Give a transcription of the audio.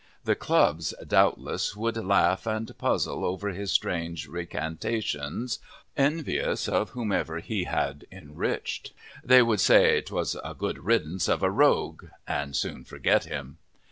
The clubs, doubtless, would laugh and puzzle over his strange recantations, envious of whomever he had enriched. They would say 'twas a good riddance of a rogue, and soon forget him.